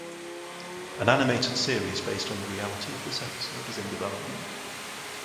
An animated series based on the reality of this episode is in development.